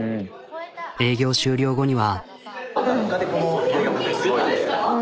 営業終了後には。